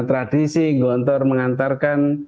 tradisi gontor mengantarkan